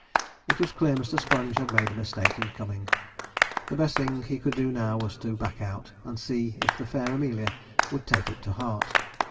It was clear Mr. Sponge had made a mistake in coming; the best thing he could do now was to back out, and see if the fair Amelia would take it to heart.